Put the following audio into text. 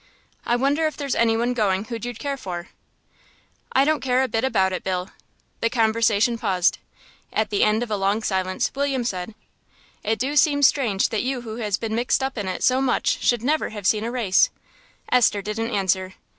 "I wonder if there's any one going who you'd care for?" "I don't care a bit about it, Bill." The conversation paused. At the end of a long silence William said "It do seem strange that you who has been mixed up in it so much should never have seen a race." Esther didn't answer.